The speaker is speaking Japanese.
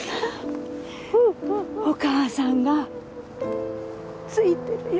お母さんがついてるよ。